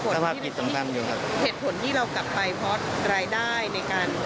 สภาพจิตสำคัญอยู่ครับเหตุผลที่เรากลับไปเพราะรายได้ในการ